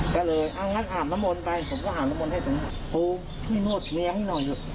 ก็เลยอ้างนั้นหามน้ำมนไปผมก็หามน้ำมนให้ส่งโอ้พี่นวดเนี้ยให้หน่อย